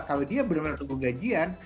kalau dia benar benar tunggu gajian